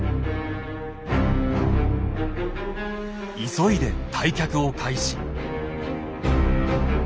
急いで退却を開始。